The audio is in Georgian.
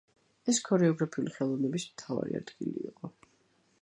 ეს ქორეოგრაფიული ხელოვნების მთავარი ადგილი იყო.